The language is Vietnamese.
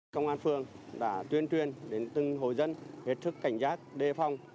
công an phường đã tuyên truyền đến từng hồ dân hiệp thức cảnh giác đề phong